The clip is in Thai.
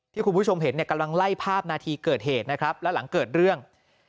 คุณผู้ชมเห็นเนี่ยกำลังไล่ภาพนาทีเกิดเหตุนะครับแล้วหลังเกิดเรื่อง